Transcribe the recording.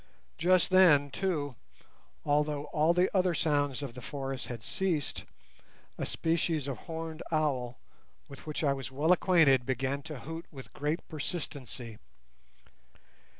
Just then, too, although all the other sounds of the forest had ceased, a species of horned owl with which I was well acquainted began to hoot with great persistency.